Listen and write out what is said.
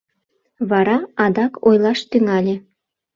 Вара адак ойлаш тӱҥале: